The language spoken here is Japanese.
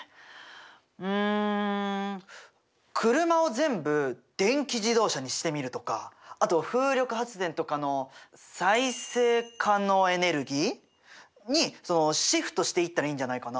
うん車を全部電気自動車にしてみるとかあと風力発電とかの再生可能エネルギー？にシフトしていったらいいんじゃないかな。